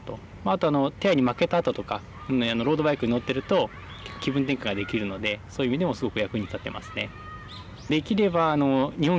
あと手合に負けたあととかロードバイクに乗ってると気分転換ができるのでそういう意味でもすごく役に立ってますね。